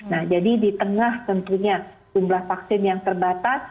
nah jadi di tengah tentunya jumlah vaksin yang terbatas